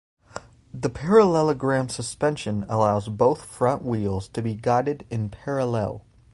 The parallelogram suspension allows both front wheels to be guided in parallel.